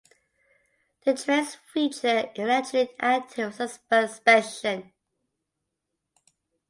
The trains feature an electric active suspension.